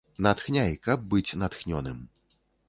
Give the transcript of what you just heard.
Натхняй, каб быць натхнёным!